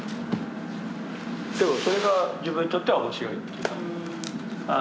でもそれが自分にとっては面白いというか。